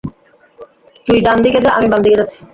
তুই ডান দিকে যা আমি বাম দিকে যাচ্ছি।